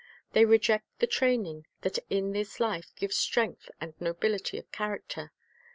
They reject the training that in this life gives strength and nobility of character.